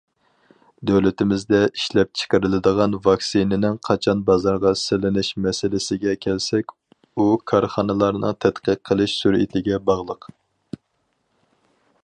دۆلىتىمىزدە ئىشلەپچىقىرىلىدىغان ۋاكسىنىنىڭ قاچان بازارغا سېلىنىش مەسىلىسىگە كەلسەك، ئۇ، كارخانىلارنىڭ تەتقىق قىلىش سۈرئىتىگە باغلىق.